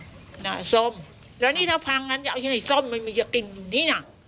อันนี้ถ้าพังไงอยากจะแบบนี้นำ